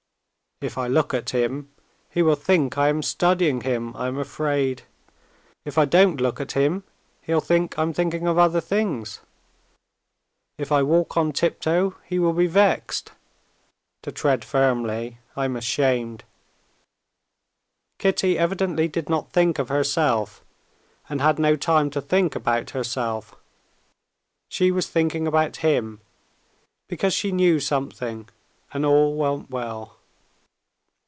"If I look at him he will think I am studying him, I am afraid; if I don't look at him, he'll think I'm thinking of other things. If I walk on tiptoe, he will be vexed; to tread firmly, I'm ashamed." Kitty evidently did not think of herself, and had no time to think about herself: she was thinking about him because she knew something, and all went well.